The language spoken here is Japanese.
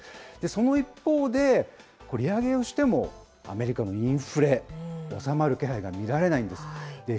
その一方で、利上げをしてもアメリカのインフレ、収まる気配が見られないんです。